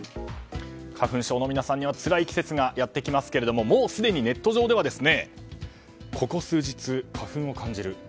花粉症の皆さんにはつらい季節がやってきますがもうすでにネット上ではここ数日、花粉を感じる。